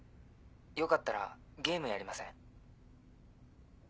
よかったらゲームやりません？